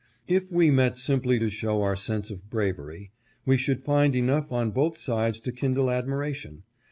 If we met simply to show our sense of bravery, we should find enough on both sides to kindle admiration.